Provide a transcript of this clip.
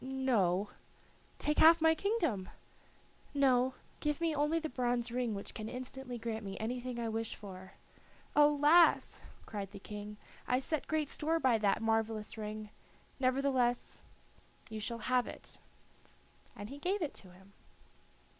"No." "Take half my kingdom." "No. Give me only the bronze ring which can instantly grant me anything I wish for." "Alas!" said the King, "I set great store by that marvelous ring; nevertheless, you shall have it." And he gave it to him.